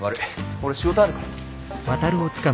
俺仕事あるから。